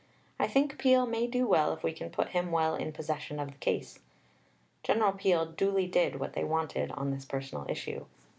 I think Peel may do well if we can put him well in possession of the case." General Peel duly did what they wanted on this personal issue.